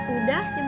udah jam sepuluh